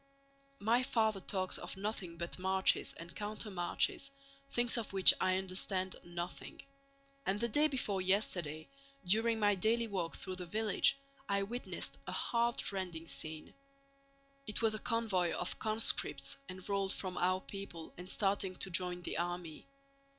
My father talks of nothing but marches and countermarches, things of which I understand nothing; and the day before yesterday during my daily walk through the village I witnessed a heartrending scene.... It was a convoy of conscripts enrolled from our people and starting to join the army.